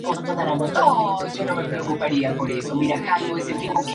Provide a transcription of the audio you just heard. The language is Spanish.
En particular, el Colegio de Negocios es bien considerado por su investigación de vanguardia.